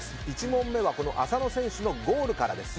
１問目は浅野選手のゴールからです。